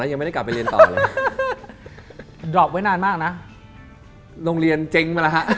จริง